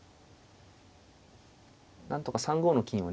なんとか３五の金をね